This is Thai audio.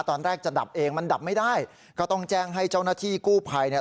ตอนแรกจะดับเองมันดับไม่ได้ก็ต้องแจ้งให้เจ้าหน้าที่กู้ภัยเนี่ย